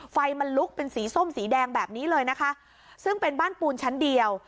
ไฟมันลุกเป็นสีส้มสีแดงแบบนี้เลยนะคะซึ่งเป็นบ้านปูนชั้นเดียว